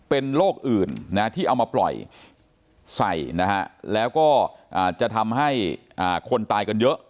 เป็นโรคอื่นนะที่เอามาปล่อยใส่นะฮะแล้วก็จะทำให้คนตายกันเยอะ